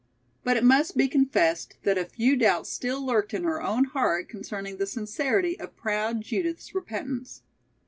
But it must be confessed that a few doubts still lurked in her own heart concerning the sincerity of proud Judith's repentance.